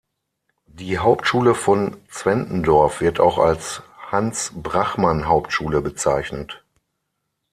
Die Hauptschule von Zwentendorf wird auch als "Hans Brachmann-Hauptschule" bezeichnet.